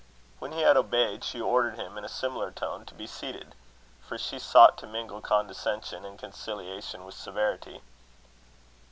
When he had obeyed, she ordered him, in a similar tone, to be seated; for she sought to mingle condescension and conciliation with severity.